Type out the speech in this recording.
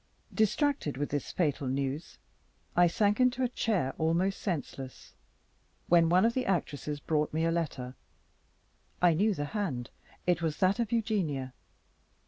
Distracted with this fatal news, I sunk into a chair almost senseless, when one of the actresses brought me a letter: I knew the hand, it was that of Eugenia.